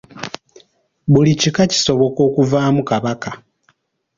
Buli kika kisoboka okuvaamu Kabaka.